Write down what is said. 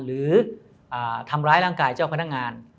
หรือทำร้ายร่างกายเจ้าพนักงาน